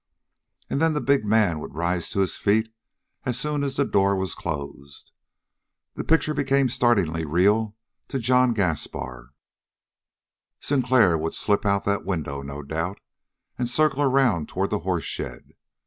And then the big man would rise to his feet as soon as the door was closed. The picture became startlingly real to John Gaspar. Sinclair would slip out that window, no doubt, and circle around toward the horse shed.